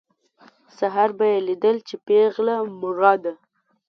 سهار به یې لیدل چې پېغله مړه ده.